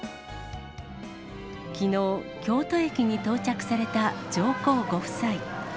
きのう、京都駅に到着された上皇ご夫妻。